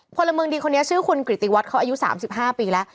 พลเมืองดีคนนี้ชื่อเขาอายุ๓๕ปีแล้ว